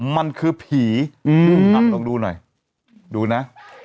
มันคือผีลองดูหน่อยดูนะ